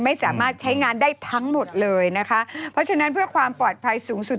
ไม่สามารถใช้งานได้ทั้งหมดเลยนะคะเพราะฉะนั้นเพื่อความปลอดภัยสูงสุด